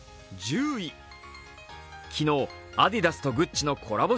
昨日、アディダスとグッチのコラボ